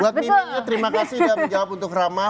buat mimin ya terima kasih udah menjawab untuk ramah